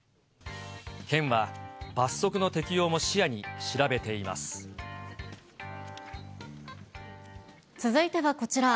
県は罰則の適用も視野に調べ続いてはこちら。